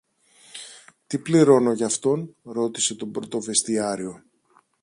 Τι πληρώνω γι' αυτόν; ρώτησε τον πρωτοβεστιάριο.